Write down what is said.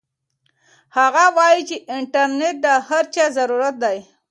هغه وایي چې انټرنيټ د هر چا ضرورت دی.